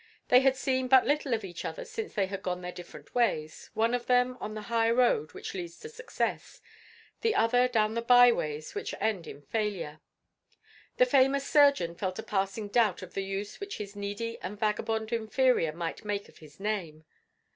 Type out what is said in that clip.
They had seen but little of each other since they had gone their different ways one of them, on the high road which leads to success, the other down the byways which end in failure. The famous surgeon felt a passing doubt of the use which his needy and vagabond inferior might make of his name.